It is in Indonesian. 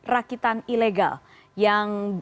rakitan ilegal yang